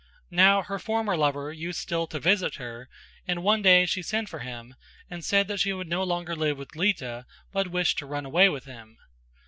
Now her former lover used still to visit her and one day she sent for him and said that she would no longer live with Lita, but wished to run away with him.